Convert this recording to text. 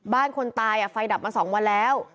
คนตายไฟดับมา๒วันแล้ว